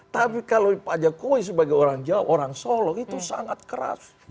tapi kalau pak jokowi sebagai orang jawa orang solo itu sangat keras